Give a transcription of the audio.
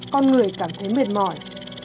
con người cảm thấy mệt mỏi